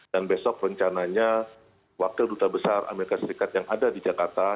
dan besok rencananya wakil duta besar amerika serikat yang ada di jakarta